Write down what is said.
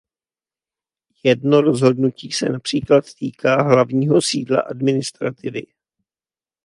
Jedno rozhodnutí se například týká hlavního sídla administrativy.